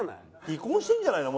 離婚してるんじゃないの？